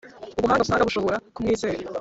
ubuhanga busanga bushobora kumwizera,